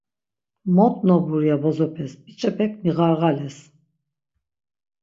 Mot nobur ya bozopes, biç̌epek miğarğales.